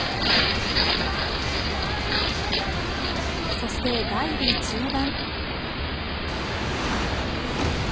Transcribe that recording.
そしてライブ中盤。